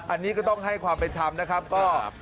อันนี้ก็ต้องให้ความเป็นธรรมนะครับ